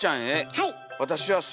はい。